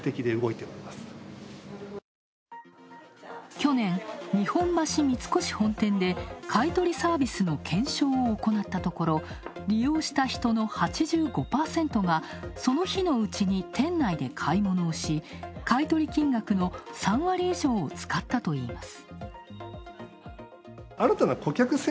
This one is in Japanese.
去年、日本橋三越本店で買い取りサービスの検証を行ったところ利用した人の８５％がその日のうちに店内で買い物をし、買い取り金額の３割以上を使ったといいます。